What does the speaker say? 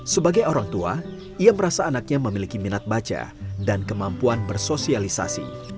sebagai orang tua ia merasa anaknya memiliki minat baca dan kemampuan bersosialisasi